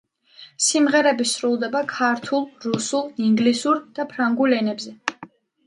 სიმღერები სრულდება ქართულ, რუსულ, ინგლისურ და ფრანგულ ენებზე.